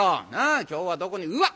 今日はどこにうわっ！